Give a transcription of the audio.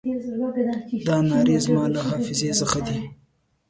دا نارې زما له حافظې څخه دي.